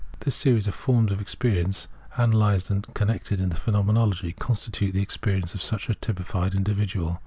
The series of forms of experience, analysed and connected in the Phenomenology, constitute the experience of such a typified individual.